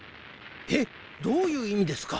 えっどういういみですか？